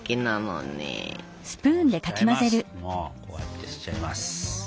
こうやってしちゃいます！